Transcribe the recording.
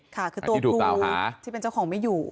ค่ะคือตัวครูที่เป็นเจ้าของไม่อยู่